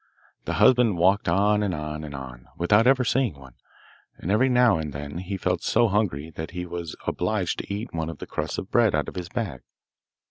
The husband walked on and on and on without ever seeing one, and every now and then he felt so hungry that he was obliged to eat one of the crusts of bread out of his bag.